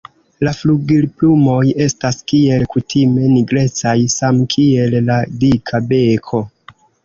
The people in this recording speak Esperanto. La flugilplumoj estas kiel kutime nigrecaj, same kiel la dika beko.